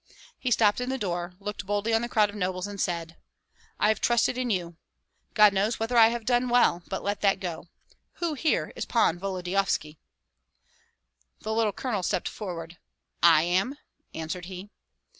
He stopped in the door, looked boldly on the crowd of nobles, and said, "I have trusted in you. God knows whether I have done well, but let that go. Who here is Pan Volodyovski?" The little colonel stepped forward. "I am!" answered he.